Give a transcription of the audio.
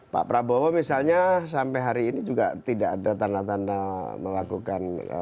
pak prabowo misalnya sampai hari ini juga tidak ada tanda tanda melakukan